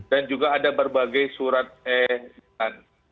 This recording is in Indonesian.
dan juga ada berbagai surat e internet